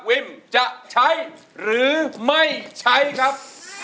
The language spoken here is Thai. วิมจะใช้หรือไม่ใช้ครับ